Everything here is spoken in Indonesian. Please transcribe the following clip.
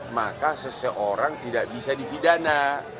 maka seseorang tidak bisa dipidana